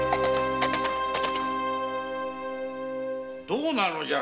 どうなのだ？